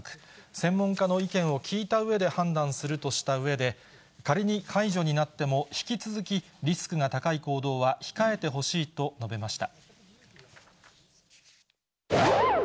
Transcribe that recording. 専門家の意見を聞いたうえで判断するとしたうえで、仮に解除になっても、引き続きリスクが高い行動は控えてほしいと述べました。